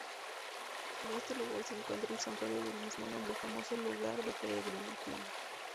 En este lugar se encuentra el santuario del mismo nombre, famoso lugar de peregrinación.